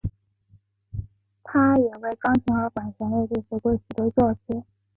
他也为钢琴和管弦乐队写过许多作品。